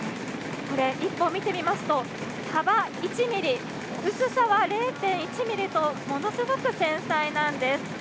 これ１本見てみますと幅１ｍｍ、薄さは０．１ｍｍとものすごく繊細なんです。